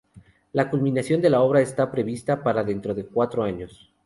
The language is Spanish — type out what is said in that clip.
La culminación de la obra está prevista para dentro de cuatro años.